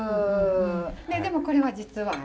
でもこれは実はへえ。